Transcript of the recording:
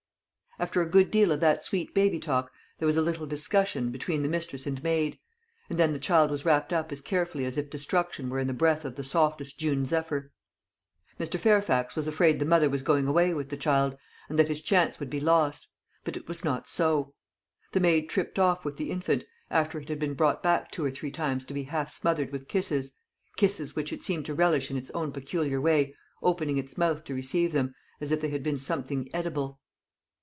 After a good deal of that sweet baby talk, there was a little discussion between the mistress and maid; and then the child was wrapped up as carefully as if destruction were in the breath of the softest June zephyr. Mr. Fairfax was afraid the mother was going away with the child, and that his chance would be lost; but it was not so. The maid tripped off with the infant, after it had been brought back two or three times to be half smothered with kisses kisses which it seemed to relish in its own peculiar way, opening its mouth to receive them, as if they had been something edible.